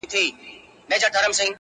هیله ده د روغتیا پر پار یې